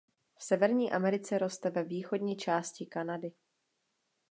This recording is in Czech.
V Severní Americe roste ve východní části Kanady.